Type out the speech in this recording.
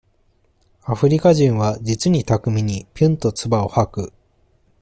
アフリカ人は、実に巧みに、ぴゅんとつばを吐く。